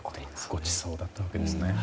ごちそうだったわけですね。